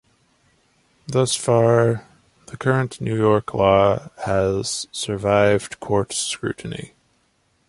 Thus far, the current New York law has survived court scrutiny.